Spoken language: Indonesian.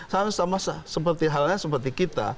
sama sama seperti halnya seperti kita